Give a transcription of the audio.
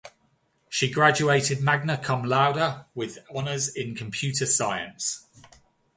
She graduated Magna Cum Laude and with honors in Computer Science.